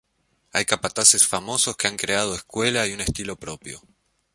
Hay capataces famosos que han creado escuela y un estilo propio.